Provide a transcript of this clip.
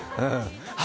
あ！